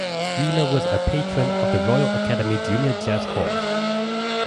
Wheeler was the patron of the Royal Academy Junior Jazz course.